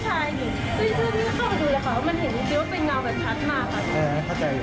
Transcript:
เดี๋ยวจากนี้หนูก็เลยออกไปแล้วก็ขอประตูให้ถัดมา